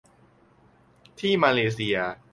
ที่มาเลเซีย